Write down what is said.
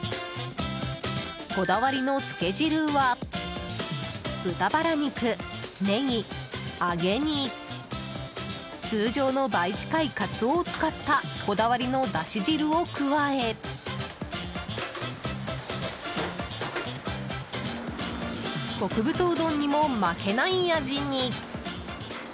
こだわりのつけ汁は豚バラ肉、ネギ、揚げに通常の倍近いカツオを使ったこだわりのだし汁を加え極太うどんにも負けない味に。